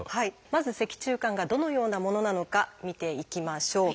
まず脊柱管がどのようなものなのか見ていきましょう。